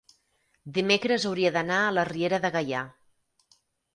dimecres hauria d'anar a la Riera de Gaià.